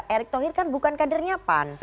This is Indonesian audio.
erick thohir kan bukan kadernya pan